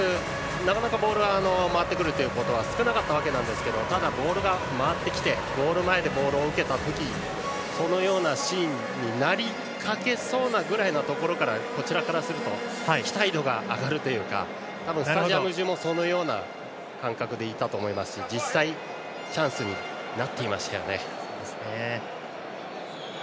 なかなかボールが回ってくることが少なかったですがただボールが回ってきてゴール前でボールを受けた時そのようなシーンになりかけそうなくらいのころからこちらからすると期待度が上がるというかたぶんスタジアム中もそういう感覚でいたと思いますし実際チャンスになっていましたよね。